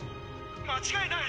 間違いない！